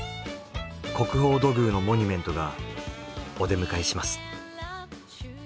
国宝土偶のモニュメントがお出迎えします。